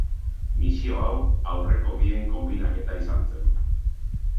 Misio hau aurreko bien konbinaketa izan zen.